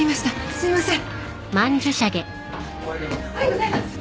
すいません。